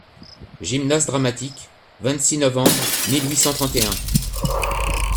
Gymnase-Dramatique. — vingt-six novembre mille huit cent trente et un.